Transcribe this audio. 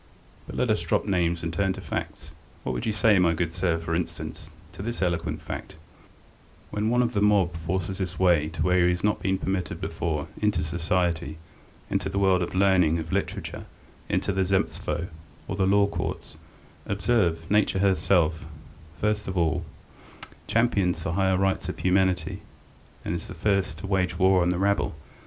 But let us drop names and turn to facts. What would you say, my good sir, for instance, to this eloquent fact: when one of the mob forces his way where he has not been permitted before, into society, into the world of learning, of literature, into the Zemstvo or the law courts, observe, Nature herself, first of all, champions the higher rights of humanity, and is the first to wage war on the rabble.